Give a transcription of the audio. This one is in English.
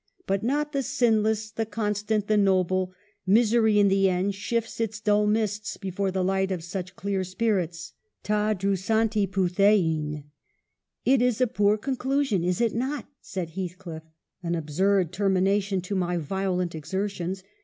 But not the sinless, the constant, the noble ; misery, in the end, shifts its dull mists before the light of such clear spirits: tcl hpdaavTt irddeiv. "' It is a poor conclusion, is it not ?' said Heath cliff, ' an absurd termination to my violent exer tions.